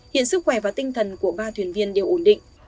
hiện sức khỏe và tinh thần của ba thuyền viên đều ổn định